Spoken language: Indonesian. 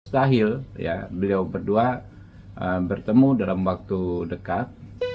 tahil beliau berdua bertemu dalam waktu dekat